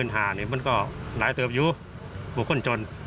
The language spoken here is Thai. หลายเตือบอยู่บุคคลจน